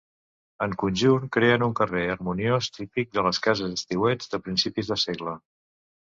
En conjunt creen un carrer harmoniós típic de les cases d'estiueig de principis de segle.